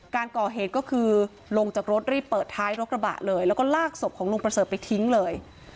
การก่อเหตุก็คือลงจากรถรีบเปิดท้ายรถกระบะเลยแล้วก็ลากศพของลุงประเสริฐไปทิ้งเลย